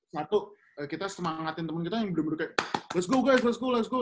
satu kita semangatin temen kita yang bener bener kayak let s go guys let s go let s go